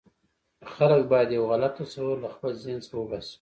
خلک باید یو غلط تصور له خپل ذهن څخه وباسي.